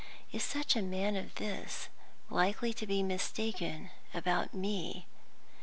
Is such a man as this likely to be mistaken about me?